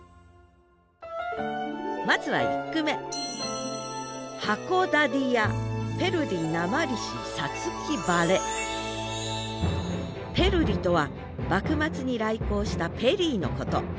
まずは１句目「ペルリ」とは幕末に来航したペリーのこと。